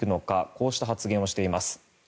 こうした発言をしています。